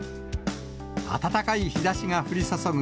暖かい日ざしが降り注ぐ